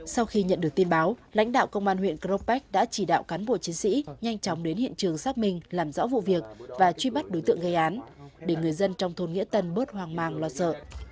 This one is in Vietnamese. sau khi nhận được tin báo lãnh đạo công an huyện crong pách đã chỉ đạo cán bộ chiến sĩ nhanh chóng đến hiện trường xác minh làm rõ vụ việc và truy bắt đối tượng gây án để người dân trong thôn nghĩa tân bớt hoang mang lo sợ